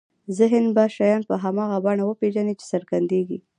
ذهن به شیان په هماغه بڼه وپېژني چې څرګندېږي.